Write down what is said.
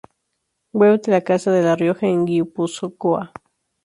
Web de la Casa de La Rioja en Guipúzcoa